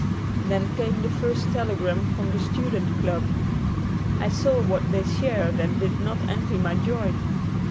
Then came the first telegram from the Student Club. I saw that they shared and did not envy my joy.